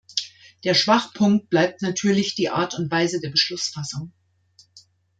Der Schwachpunkt bleibt natürlich die Art und Weise der Beschlussfassung.